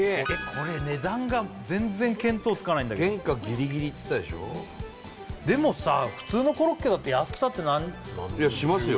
これ値段が全然見当つかないけど原価ギリギリっつったでしょでもさ普通のコロッケだって安くたっていやしますよ